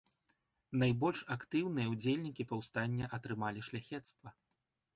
Найбольш актыўныя ўдзельнікі паўстання атрымалі шляхецтва.